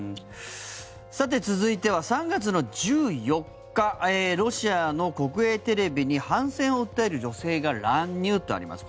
さて、続いては３月の１４日ロシアの国営テレビに反戦を訴える女性が乱入とあります。